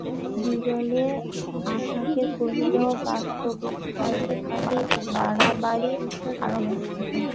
বিরলে আশাকে কহিল, বাস্তবিক, বিহারী বাড়াবাড়ি আরম্ভ করিয়াছে।